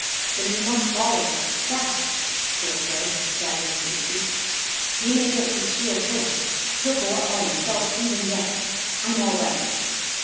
"Then we must follow fast!" Phil said, staggering to his feet. "He may get to the sphere first; he'll go up by himself even yet! I'm all right!"